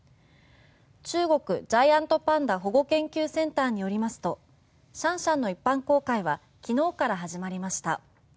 中国ジャイアントパンダ保護研究センターによりますとシャンシャンの一般公開は昨日から始まりました。